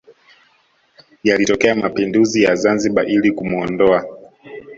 Yalitokea mapinduzi ya Zanzibar ili kumuondoa